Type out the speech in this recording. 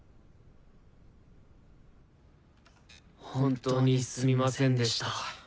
本当にすみませんでした。